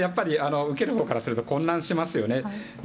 受けるほうからすると混乱しますよね。